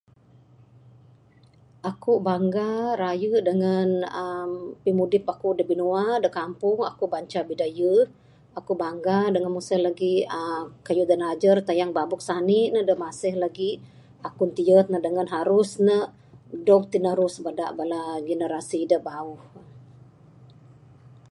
Aku bangga raye dangan uhh pimudip aku da binua da kampung, aku banca bidayuh aku bangga dangan meng sien lagih uhh kayuh da najar tayung babuk sani ne da masih lagih ku tiyen ne dangan harus ne dog tinarus bada bala generasi da bauh